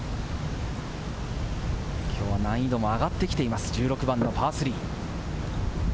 きょうは難易度も上がってきています、１６番のパー３。